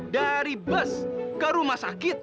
dari bus ke rumah sakit